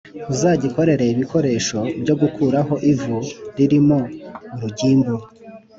Uzagikorere ibikoresho byo gukuraho ivu ririmo urugimbu